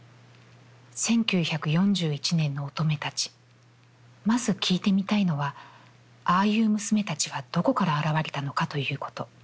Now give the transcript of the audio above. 「一九四一年の乙女たちまず聞いてみたいのは、ああいう娘たちはどこから現れたのかということ。